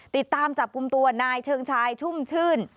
ติดตามจับกลุ่มตัวนายเชิงชายชุ่มชื่น